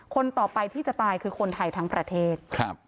คนต่อไปที่จะตายคือคนไทยทั้งประเทศ